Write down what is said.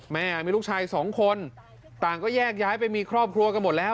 แม่มีลูกชายสองคนต่างก็แยกย้ายไปมีครอบครัวกันหมดแล้ว